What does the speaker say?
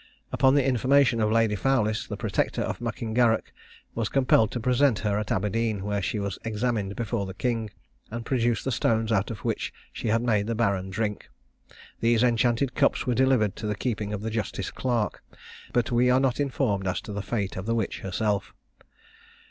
Upon the information of Lady Fowlis, the protector of M'Ingarrach was compelled to present her at Aberdeen, where she was examined before the king, and produced the stones out of which she had made the baron drink. These enchanted cups were delivered to the keeping of the justice clerk; but we are not informed as to the fate of the witch herself.